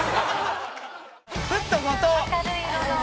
フット後藤。